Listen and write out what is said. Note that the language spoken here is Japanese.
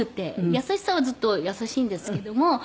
優しさはずっと優しいんですけども。